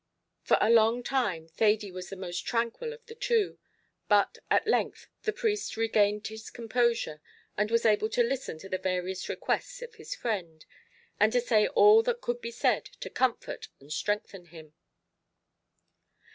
For a long time Thady was the most tranquil of the two; but at length the priest regained his composure, and was able to listen to the various requests of his friend, and to say all that could be said to comfort and strengthen him.